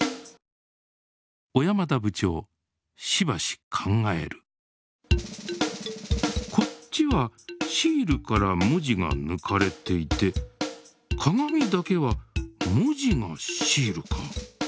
小山田部長しばし考えるこっちはシールから文字がぬかれていて「カガミ」だけは文字がシールか。